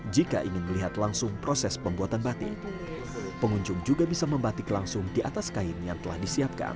jika ingin melihat langsung proses pembuatan batik pengunjung juga bisa membatik langsung di atas kain yang telah disiapkan